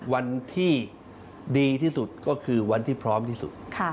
วันที่ดีที่สุดก็คือวันที่พร้อมที่สุด